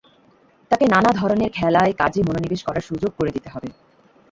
তাকে নানা ধরনের খেলায়, কাজে মনোনিবেশ করার সুযোগ করে দিতে হবে।